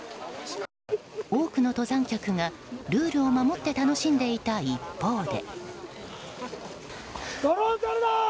多くの登山客がルールを守って楽しんでいた一方で。